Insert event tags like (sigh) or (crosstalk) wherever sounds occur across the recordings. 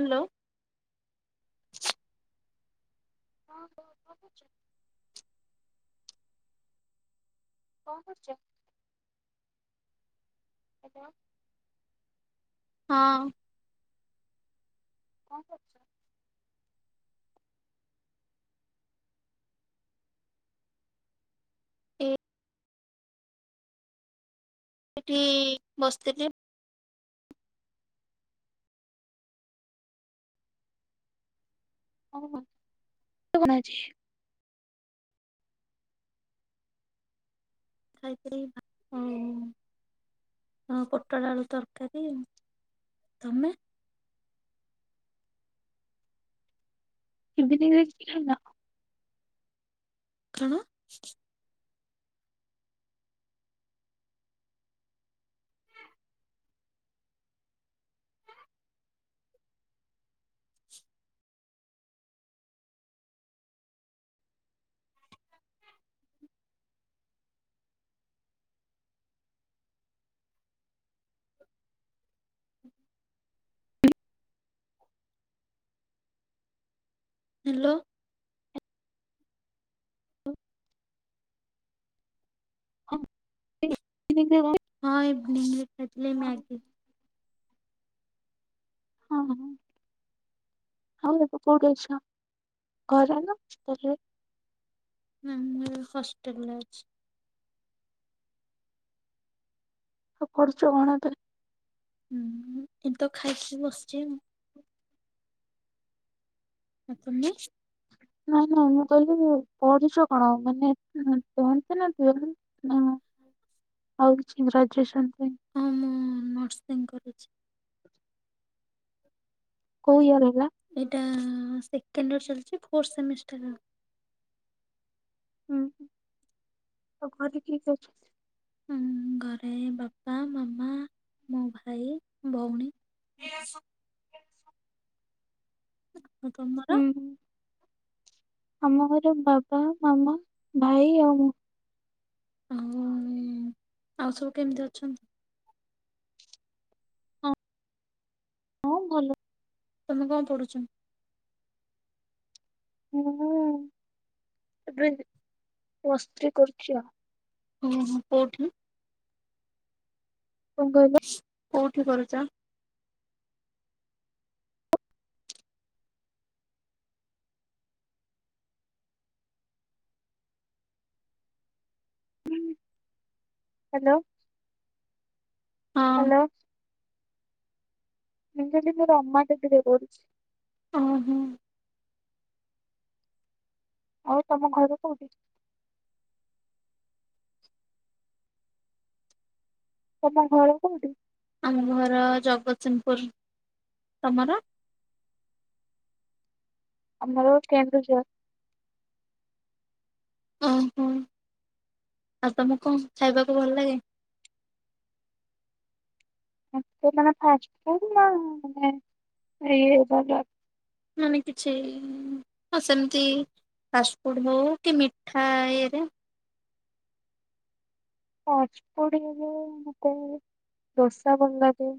Hello ହଁ କଣ କରୁଛ କଣ କରୁଛ କେଜ ହଁ କଣ କରୁଛ ହ ଏଠି ବସିଥିଲେ ହ କଣ ଅଛି ଖାଇ ଖ ହ ହ ପୋଟଳ ଆଳୁ ତରକାରୀ ତମେ (unintelligible) କଣ। ହ୍ୟାଲୋ। (unintelligible) ହଁ ଇଭିନିଙ୍ଗ ରେ ଖାଇଥିଲି ମ୍ୟାଗି। ହଁ ହଁ। ଆଉ ଏବେ କୋଉଠି ଅଛ ଘରେ ନା ହଷ୍ଟେଲ ରେ? ହୁଁ ହଷ୍ଟେଲ ରେ ଅଛି। (unintelligible) ଚନା ତ ହୁଁ ଏନେତ ଖାଇକି ବସିଛି ଆଉ। ଆଉ ତୁମେ? ନାଇଁ ନାଇଁ ମୁଁ କହିଲି ପଢୁଛ କଣ ମାନେ (unintelligible) ନା। ମାନେ ଆଉ କିଛି ଗ୍ରାଜୁଏସନ ପାଇଁ। ହଁ ମୁଁ ନର୍ସିଂ କରୁଛି। କୋଉ ଇୟର ହେଲା? ଏଇଟା ସେକେଣ୍ଡ ଇୟର ଚାଲିଛି ଫୋର୍ଥ ସେମିଷ୍ଟର। ଉଁ ହୁଁ ଆଉ ଘରେ କିଏ କିଏ ଅଛନ୍ତି। ଉଁ ଘରେ ବାପା ମାମା ମୋ ଭାଇ ଭଉଣୀ। (unintelligible) (inaudible) ଆଉ ତମ ହୁଁ ଆମ ଘରେ ବାବା ମାମା ଭାଇ ଆଉ ମୁଁ। ହୁଁ ଆଉ ସବୁ କେମିତି ଅଛନ୍ତି। ହଁ ହଁ ଭଲ। ତମେ କଣ ପଢୁଛ? ହୁଁ ଏବେ ପ୍ଲସ ଥ୍ରି କରୁଛି ଆଉ। ଉହୁଁ କୋଉଠି? (unintelligible) କୋଉଠି କରୁଚ? କହିଲ? ହ୍ୟାଲୋ। ହଁ। ହ୍ୟାଲୋ। ମୁଁ କହିଲି ମୁଁ ରମାଦେବୀରେ ପଢୁଛି। ହଁ ହୁଁ। ଆଉ ତମ ଘର କୋଉଠି? ତମ ଘର କୋଉଠି? ଆମ ଘର ଜଗତସିଂହପୁର ତମର? ଆମର କେନ୍ଦୁଝର। ଓହୋ ଆଉ ତମକୁ କଣ ଖାଇବାକୁ ଭଲ ଲାଗେ? ଏମିତି ମାନେ ଫାଷ୍ଟ ଫୁଡ୍ ନା ମାନେ ଇଏ ବଜ ମାନେ କିଛି ହଁ ସେମିତି ଫାଷ୍ଟଫୁଡ଼୍ ହଉ କି ମିଠା ଇଏରେ ଫାଷ୍ଟ ଫୁଡ୍ ଇଏରେ ମତେ ଦୋସା ଭଲ ଲାଗେ।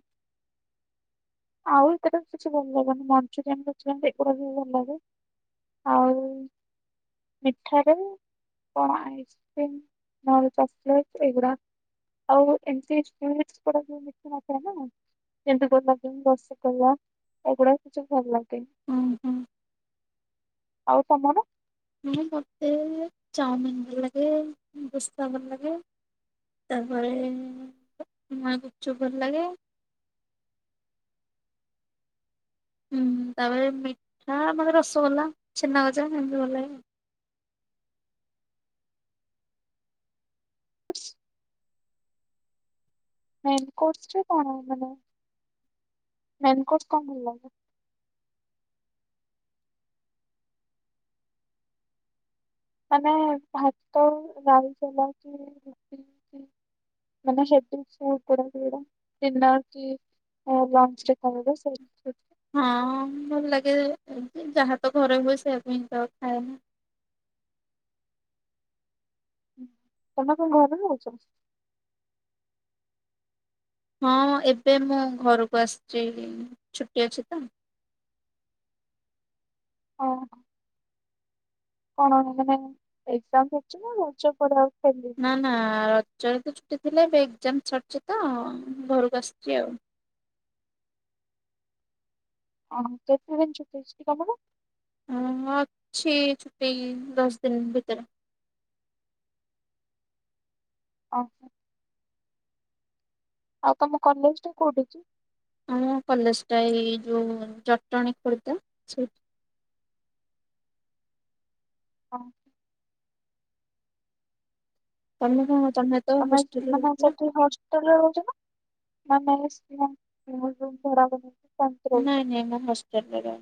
ଆଉ ଏତଟା ବି କିଛି ଭଲ ଲାଗେନି, ମଞ୍ଚୁରିଆନ ଫାଞ୍ଜୁରିଆନ ଏଗୁଡା ବି ଭଲ ଲାଗେ। ଆଉ ମିଠା ରେ। କଣ ଆଇସ୍କ୍ରିମ ନହେଲେ ଚକଲେଟ ଏଗୁରା। ଆଉ ଏମତି ସୁଇଟ୍ସ (unintelligible) ଏମିତି ଗୋଲା ଯେ ରସଗୋଲା ଏଗୁଡା କିଛି ଭଲ ଲାଗେ। ହୁଁ ହୁଁ। ଆଉ ତମର? ହୁଁ ମତେ ଚାଉମିିନ ଭଲ ଲଗେ ବିସ୍ତା ଭଲ ଲାଗେ। ତାପରେ ମା ଗୁପ୍ ଚୁପ୍ ଭଲ୍ ଲାଗେ। ହୁଁ ତାପରେ ମିଠା ମାନେ ରସୋଗୋଲା ଛେନା ଗଜା ଏମିତି ଭଲ୍ ଲାଗେ ଆଉ। ମେନକୋର୍ଟସ୍ ରେ କଣ ଭଲ ମେନକୋର୍ଟସ୍ କଣ ଭଲ୍ ଲାଗେ? ମାନେ ଭାତ ରାଇ ତେଲ କୁ ମିସେଇକି ମାନ (unintelligible) କୋଉଡା କୋଉଡା ପିନାକୀ ହଁ ଲଞ୍ଚରେ ଖାଉଲୁ ସେଇ ଫ୍ରୁଟ୍। ହଁ ଭଲ୍ ଲାଗେ ଏମତି ଯାହା ତ ଘରେ ହୁଏ ସେୟାକୁ ହିଁ ତ ଖାଏନା। ତମେ କଣ ଘରେ ରହୁଚ? ହଁ ଏବେ ମୁଁ ଘରୁକୁ ଆସଚି ଛୁଟି ଅଛି ତ। ଓହୋ। କଣ ମାନେ ଏଗଜାମ୍ (unintelligible) ନା ରଜ ପରେ ଆଉ ଖୋଲି ନା ନା ରଜରେ ତ ଛୁଟି ଥିଲା ଏବେ ଏଗଜାମ୍ ସରଚି ତ ଘରକୁ ଆସଚି ଆଉ। ଅହଁ କେତେ ଦିନ ଛୁଟି ଅଛି କି ତମର? ଅଁ ମୁଁ ଅଛି ଛୁଟି ଏଇ ଦଶ ଦିନ ଭିତରେ। ଆଛା। ଆଉ ତମ କଲେଜଟା କୋଉଠି ଅଚି? ଉଁ କଲେଜଟା ଏଇ ଯୋଉ ଜଟଣୀ ଖୋର୍ଦ୍ଧା ସେଇଠି। ହଁ। ତମେ କଣ କ ତମେ ତ ତମେ ହଷ୍ଟେଲରେ ମାନେ ରହୁଥିଲ? ସେଠି ହଷ୍ ହଷ୍ଟେଲରେ ରହୁଚ ନା ନା ମେସ୍ ନା (unintelligible) ଭଡା (unintelligible) ନାଇଁ ନାଇଁ ମୁଁ ହଷ୍ଟେଲରେ ରହେ।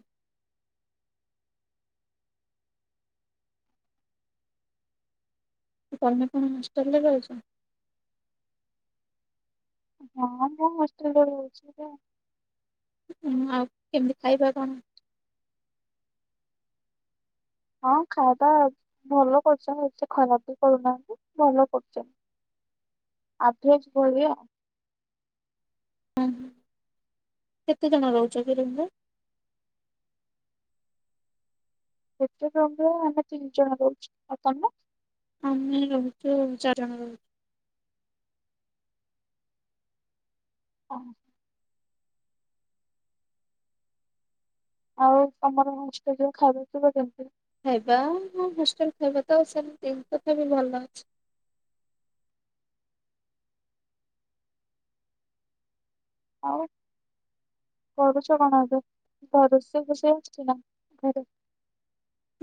ଆଉ ତମେ କଣ ହଷ୍ଟେଲରେ ରହୁଚ? ହଁ ମୁଁ ହଷ୍ଟେଲରେ ରହୁଚି ଏବେ। ଉଁ ଆଉ କେମିତି ଖାଇବା କଣ? ହଁ ଖାଇବା ଭଲ କରୁଛନ୍ତି ଏଠି ଖରାପ ବି କରୁନାହାନ୍ତି ଭଲ କରୁଚ ଆଭରେଜ୍ ଭଳିଆ। ଅହଁ କେତେଜଣ ରୋହୁଚ କି ରୁମରେ? କେତେ ଜଣ ରହୁ ଆମେ ତିନ୍ ଜଣ ରହୁଚୁ ଆଉ ତମେ? ଆମେ ରହୁଚୁ ଚାର ଜଣ ରହୁଚୁ। ଅହଁ। ଆଉ ତମର ହଷ୍ଟେଲର ଖାଇବି ପିଇବା କେମତି? ଖାଇବା ହଁ ହଷ୍ଟେଲ୍ ଖାଇବା ତ ସେମତି ତଥାପି ଭଲ ଅଛି। ଆଉ? କରୁଚ କଣ ଏବେ କଁ ରୋଷେଇ ଫୋସେଇ ଆସଚି ନା ଘରେ?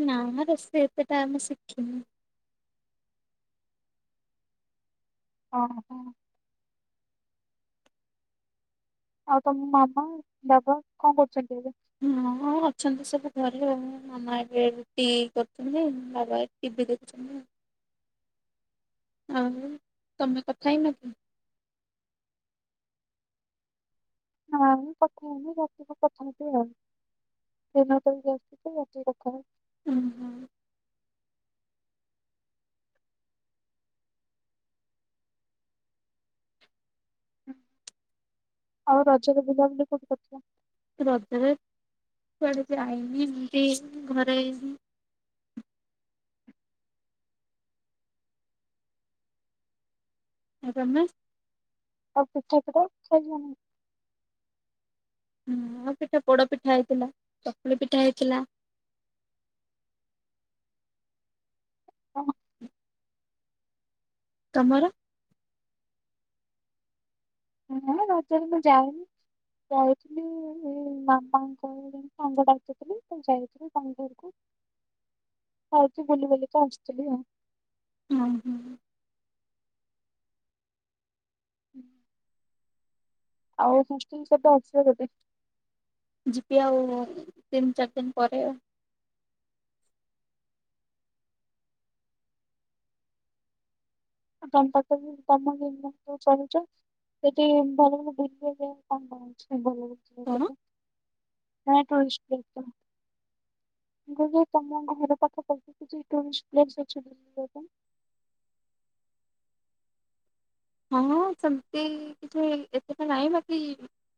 ନା ରୋଷେଇ ଏତେଟା ଆମେ ଶିଖିନୁ। ଅଁହଁ। ଆଉ ତମ ମାମା, ବାବା କଁ କରୁଚନ୍ତି ଏବେ? ହୁଁ ଅଛନ୍ତି ସବୁ ଘରେ ଆଉ ମାମ ଏବେ ରୁଟି କରୁଚନ୍ତି ବାବା ଏ ଟିଭି ଦେଖୁଚନ୍ତି ଆଉ। ଆଉ ତମେ କଥା ହେଇନ କି? ନାଇଁ କଥା ହେଇନି ରାତିକୁ କଥା ହେବି ଆଉ। ଏଇନା ତ ଏଇ ବସିଚି ରାତିକି କଥା ହେବି। ଉଁହୁଁ। ଆଉ ରଜରେ ବୁଲାବୁଲି କୋଉଠି କରଥିଲ? ରଜରେ କୁଆଡେ ଯାଇନି ଏମତି ଘରେ ହିଁ ଆଉ ତମେ? ଆଉ ପିଠାପିଠା ଖାଇଚନା? ହୁଁ ଆଉ ପିଠା ପୋଡ ପିଠା ହେଇଥିଲା, ଚକୁଳି ପିଠା ହେଇଥିଲା। ଓଃ। ତମର? ନା ରଜରେ ମୁଁ ଯାଏନି ଯାଉଥୁଲି ଏ ମାମାଙ୍କ ସାଙ୍ଗ ଡାକିଥିଲେ ତ ଯାଇଥିଲୁ ତାଙ୍କ ଘରକୁ। ଯାଇକି ବୁଲି ବାଲିକି ଆସଥିଲି ଆଉ। ଅଃ। (unintelligible) ଆଉ ହଷ୍ଟେଲ କେବେ ଆସିବେ କେବେ? ଯିବି ଆଉ ତିନି ଚାରି ଦିନ ପରେ। ତମ (unintelligible) ସେଠୀ ଭଲ ଭଲ କଣ? (unintelligible) (unintelligible) ମୁଁ କହିଲି ତମ ଘର ପାଖା ପାଖି କିଛି ଟୁରିଷ୍ଟ ପ୍ଲେସ ଅଛି କି (unintelligible) ହଁ ସେମିତି କିଛି ଏତେଟା ନାହିଁ ବାକି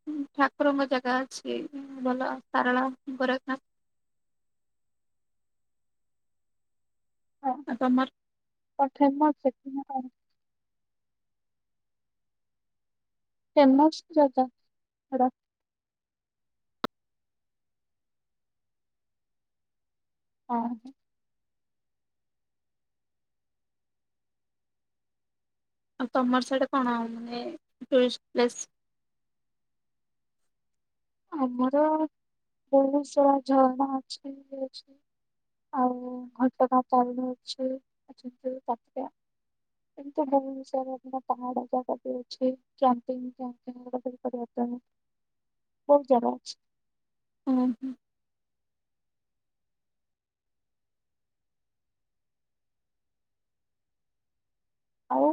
(unintelligible) ଠାକୁରଙ୍କ ଜାଗା ଅଛି ଭଲ ସାରଳା ଗୋରଖନାଥ। ହଁ ଆଉ ତମର? କଣ ଫେମସ (unintelligible) କଣ। ଫେମସ ଜାଗା (unintelligible) ଅଃ। ଆଉ ତମର ସ୍ୟାଡେ କଣ ମାନେ ଟୁରିଷ୍ଟ ପ୍ଲେସ୍ ଆମର ବୋହୁତ ସାରା ଝରଣା ଅଛି ଇଏ ଅଛି। ଆଉ ଘଟଗାଁ ତାରିଣୀ ଅଛି ଅଛନ୍ତି (unintelligible) ଏମତି ବୋହୁତ ସାରା (unintelligible) ପାହାଡ଼ା ଜାଗା ବି ଅଛି। କ୍ୟାମ୍ପିଙ୍ଗି ଫ୍ୟାମ୍ପିଙ୍ଗି (unintelligible) କରିବା ପାଇଁ। ବୋହୁତ ଜାଗା ଅଛି। ଉଁହୁଁ। ଆଉ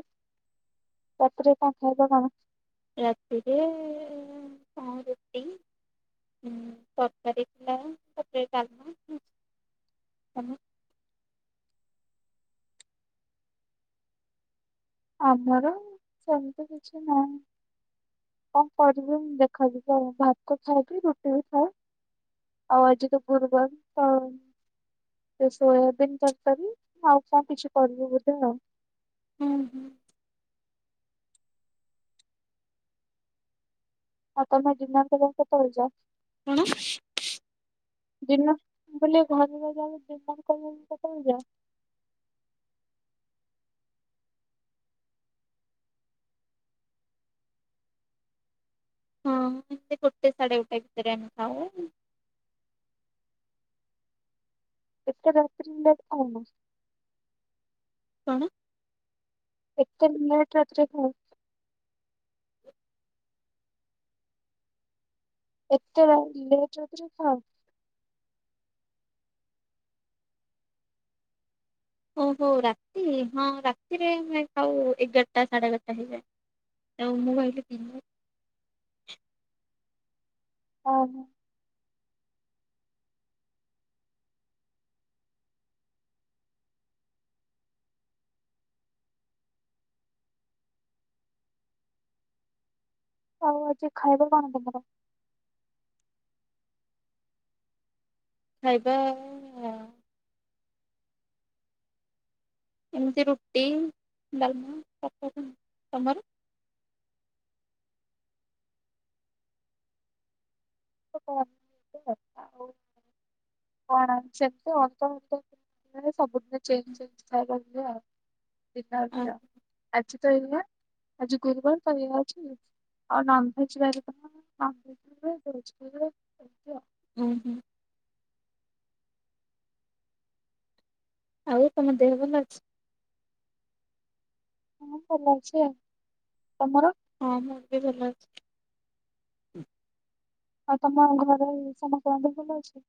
ରାତିରେ କଁ ଖାଇବା କଣ? ରାତିରେ କଁ ରୁଟି ହୁଁ ତରକାରୀ ଥିଲା ତାପରେ ଡାଲମା ତମର ଆମର ସେମିତି କିଛି ନାହିଁ। କଣ କରିବି (unintelligible) ଦେଖାଯିବ ଆଉ ଭାତ ଖାଏ ବି ରୁଟି ବି ଖାଏ। ଆଉ ଆଜି ତ ଗୁରୁବାର ତ ସେ ସୋୟାବିିନ ତରକାରୀ ଆଉ କଣ କିଛି କରିବେ ବୋଧେ ଆଉ। ଉଁହୁଁ। ଆଉ ତମେ ଡିନର୍ କରିବାକୁ କେତୋବୋଳେ ଯାଅ? କଣ? ଡିନର୍ ମୁଁ କହିଲି ଘରେ (unintelligible) ଡିନର କରିବାକୁ କେତୋବୋଳେ ଯାଅ? ହଁ ଏମତି ଗୋଟେ ସାଢ଼େ ଗୋଟେ ଭିତରେ ଆମେ ଖାଉ। ଏତେ ରାତିରେ ଲେଟ୍ ଖାଅନା। କଣ? ଏତେ ଲେଟ୍ ରାତିରେ ଖାଅ? ଏତେ ରାତ ଲେଟ୍ ରାତିରେ ଖାଅ। ଓହୋ ରାତି ହଁ ରାତିରେ ଆମେ ଖାଉ ଏଗାରଟା ସାଢ଼େ ଏଗାରଟା ହେଇଯାଏ। (unintelligible) ମୁଁ ଭାବିଲି ଦିନ ଅଃ। ଆଉ ଆଜି ଖାଇବା କଣ ତମର? ଖାଇବା ଏମିତି ରୁଟି ଡାଲମା ତରକାରୀ (unintelligible) ତମର? (unintelligible) ଆଉ କଣ ସେମିତି (unintelligible) ଚେଞ୍ଜ (unintelligible) ଖାଇବା ହୁଏ ଆଉ। ଡିନର ରେ ଆଉ ଆଜି ତ ଏୟା ଆଜି ଗୁରୁବାର ତ ଏଇଆ ଅଛି ଆଉ। ଆଉ ନଂଭେଜ୍ ବାରିଦିନ ନଂଭେଜ ହୁଏ ଭେଜ୍ ବି ହୁଏ ଏମତି ଆଉ। ଉଁହୁଁ। ଆଉ ତମ ଦେହ ଭଲ ଅଛି। ହଁ ଭଲ ଅଛି ଆଉ ତମର। ହଁ ମୁଁ ବି ଭଲ ଅଛି। ଆଉ ତମ ଘରେ ସମସ୍ତଙ୍କ ଦେହ ଭଲ ଅଛି?